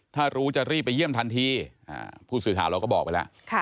ถ้ารู้จะรีบไปเยี่ยมทันทีผู้สื่อข่าวเราก็บอกไปแล้ว